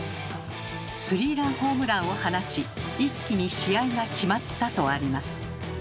「３ランホームランを放ち一気に試合が決まった」とあります。